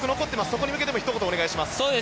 そこに向けてもひと言、お願いします。